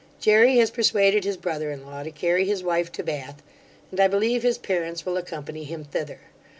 Jery has persuaded his brother in law to carry his wife to Bath; and I believe his parents will accompany him thither.